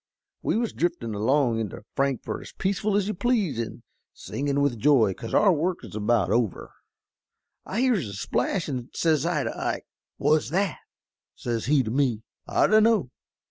We was driftin' along into Frankfort as peaceful as you please, an' a singin' with joy 'cause our work was about over. I hears a splash an' says I to Ike, 'What's that?' Says he to me, 'I dunno.'